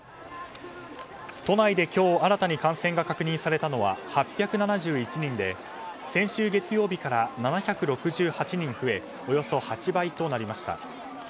都内で今日新たに感染が確認されたのは８７１人で先週月曜日から７６８人増えおよそ８倍となりました。